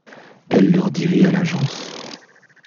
Elle leur dirait à l’agence